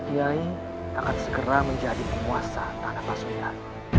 kiai akan segera menjadi penguasa tanah pasukan